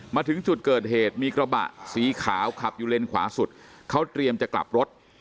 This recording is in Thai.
มาถึงจุดเกิดเหตุมีกระบะสีขาวขับอยู่เลนขวาสุดเขาเตรียมจะกลับรถ